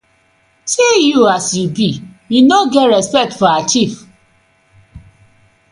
See yur as yu bi, yu no get respect for we chief.